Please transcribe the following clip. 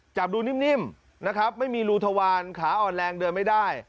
จับดูนิ่มนะครับไม่มีรูทวารขาอ่อนแรงเดินไม่ได้